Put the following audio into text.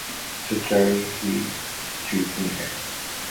سچائی ہی جیتتی ہے